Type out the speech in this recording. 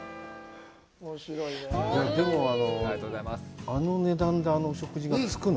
でも、あの値段であのお食事がつくの？